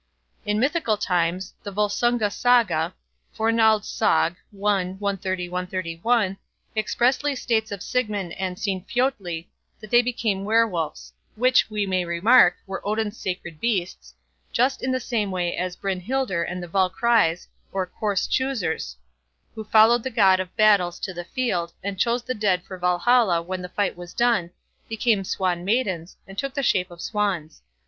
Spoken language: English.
In mythical times the Volsunga Saga expressly states of Sigmund and Sinfjötli that they became were wolves—which, we may remark, were Odin's sacred beasts—just in the same way as Brynhildr and the Valkyries, or corse choosers, who followed the god of battles to the field, and chose the dead for Valhalla when the fight was done, became swan maidens, and took the shape of swans.